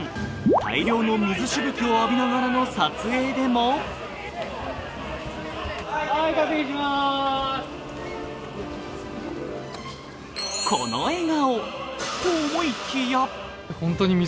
大量の水しぶきを浴びながらの撮影でもこの笑顔。